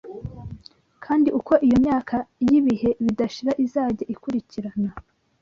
Kandi uko iyo myaka y’ibihe bidashira izajya ikurikirana